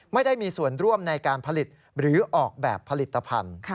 ไม่ได้มีส่วนร่วมในการผลิตหรือออกแบบผลิตภัณฑ์